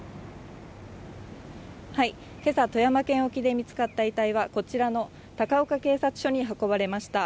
今朝、富山県沖で見つかった遺体は、こちらの高岡警察署に運ばれました。